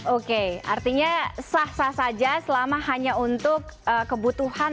oke artinya sah sah saja selama hanya untuk kebutuhan